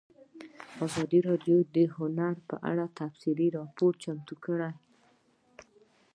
ازادي راډیو د هنر په اړه تفصیلي راپور چمتو کړی.